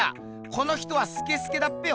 この人はスケスケだっぺよ。